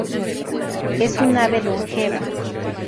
Es un ave longeva.